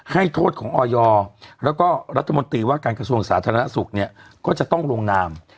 ให้โทษของออยแล้วก็รัฐมนตรีว่าการกระทรวงสาธารณสุขเนี่ยก็จะต้องลงนาม